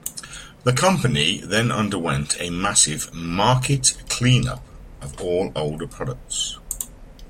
The company then underwent a massive "market clean-up" of all older product.